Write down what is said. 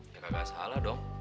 ya kagak salah dong